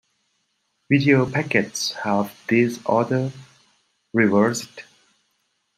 Video packets have this order reversed.